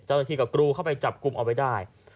เจ้าหน้าที่ก็กรูเข้าไปจับกลุ่มเอาไว้ได้